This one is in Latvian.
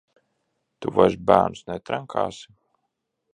Tu vairs bērnus netrenkāsi?